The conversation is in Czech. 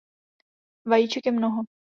Vajíček je mnoho.